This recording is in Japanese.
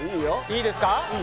いいですか？